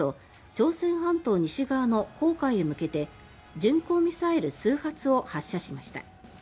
朝鮮半島西側の黄海へ向けて巡航ミサイル数発を発射しました。